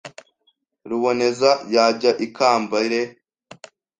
Ruboneza yajya i Kambere